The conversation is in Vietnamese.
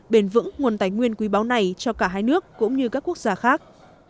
bền vững nguồn tài nguyên quý báu này cho cả hai nước cũng như các quốc gia khác